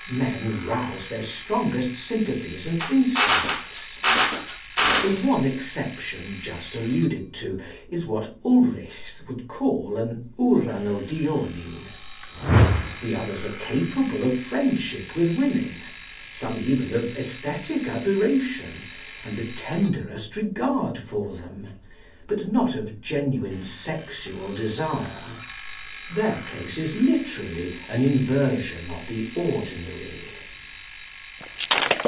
Men rouse their strongest sympathies and instincts. The one exception just alluded to is what Ulrichs would call an Uranodioning. The others are capable of friendship with women, some even of æsthetic admiration, and the tenderest regard for them, but not of genuine sexual desire. Their case is literally an inversion of the ordinary.